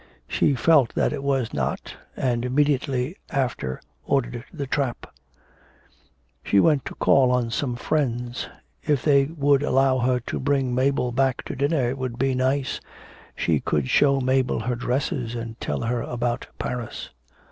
She felt that it was not, and immediately after ordered the trap. She went to call on some friends.... If they would allow her to bring Mabel back to dinner it would be nice, she could show Mabel her dresses and tell her about Paris.